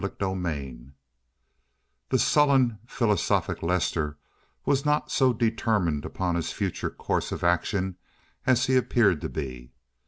CHAPTER XXX The sullen, philosophic Lester was not so determined upon his future course of action as he appeared to be.